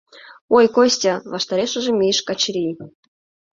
— Ой, Костя! — ваштарешыже мийыш Качырий.